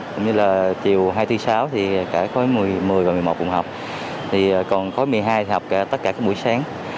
còn khối một mươi hai thì học tất cả các buổi sáng